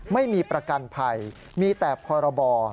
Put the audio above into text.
ไม่มีประกันภัยมีแต่พรบ